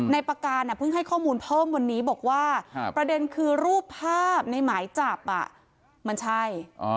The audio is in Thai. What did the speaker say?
ประการเพิ่งให้ข้อมูลเพิ่มวันนี้บอกว่าประเด็นคือรูปภาพในหมายจับมันใช่